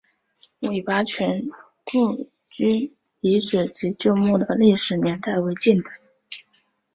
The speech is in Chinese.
韦拔群故居遗址及旧墓的历史年代为近代。